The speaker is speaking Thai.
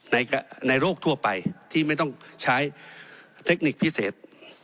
ในโรคทั่วไปที่ไม่ต้องใช้เทคนิคพิเศษ